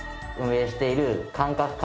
運営している感覚